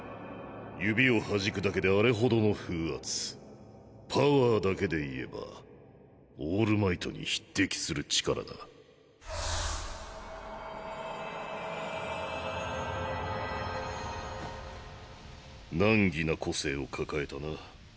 指を弾くだけであれ程の風圧パワーだけで言えばオールマイトに匹敵する力だ難儀な個性を抱えたな。